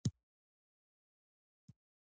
دا د کارګرانو او پانګوالو ترمنځ تضاد رامنځته کوي